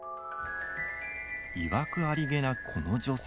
いわくありげな、この女性。